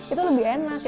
itu lebih enak